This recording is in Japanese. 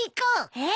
えっ？